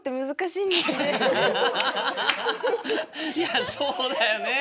いやそうだよね。